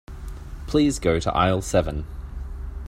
Please go to aisle seven.